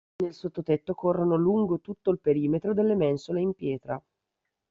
Nel sottotetto corrono lungo tutto il perimetro delle mensole in pietra.